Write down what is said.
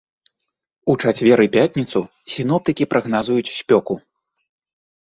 У чацвер і пятніцу сіноптыкі прагназуюць спёку.